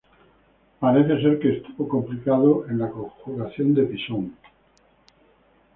Parece ser que estuvo complicado en la conjuración de Pisón.